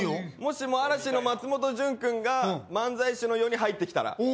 もしも嵐の松本潤くんが漫才師のように入ってきたら。